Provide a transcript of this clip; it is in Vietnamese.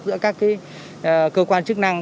giữa các cơ quan chức năng